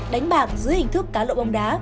đánh bạc dưới hình thức cá lộ bong đá